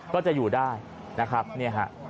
ก็จะอยู่ได้นะครับเนี่ยฮะ